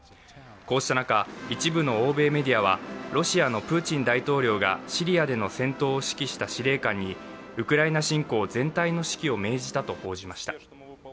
こうした中、一部の欧米メディアはロシアのプーチン大統領がシリアでの戦闘を指揮した司令官にウクライナ侵攻全体の指揮を命じたと報じました。